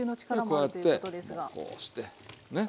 こうやってこうしてね。